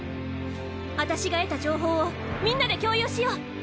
私が得た情報をみんなで共有しよう。